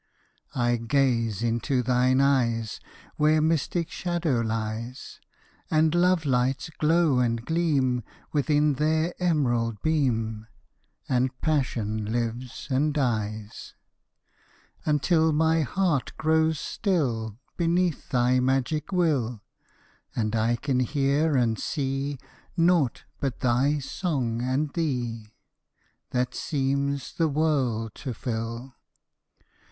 I gaze into thine eyes, Where mystic shadow lies, And lovelights glow and gleam Within their emerald beam, And passion lives and dies— Until my heart grows still Beneath thy magic will, And I can hear and see Naught but thy song and thee, That seems the world to fill.